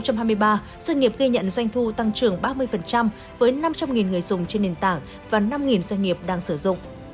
cụ tăng trưởng ba mươi với năm trăm linh người dùng trên nền tảng và năm doanh nghiệp đang sử dụng